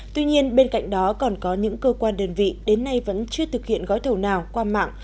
tuy nhiên bên cạnh đó còn có những cơ quan đơn vị đến nay vẫn chưa thực hiện gói thầu nào qua mạng